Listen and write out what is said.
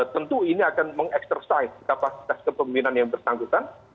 tentu ini akan mengeksersai kapasitas kepemimpinan yang bersangkutan